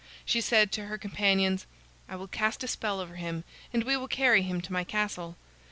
She said to her companions: "I will cast a spell over him, and we will carry him to my castle.